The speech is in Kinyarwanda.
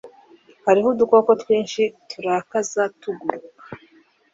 Hariho udukoko twinshi turakaza tuguruka.